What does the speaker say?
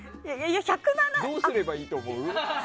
どうすればいいと思う？